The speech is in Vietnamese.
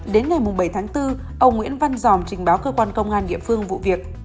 đến ngày bảy tháng bốn ông nguyễn văn giòm trình báo cơ quan công an địa phương vụ việc